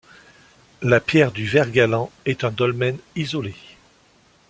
La pierre du Vert-Galant est un dolmen isolé.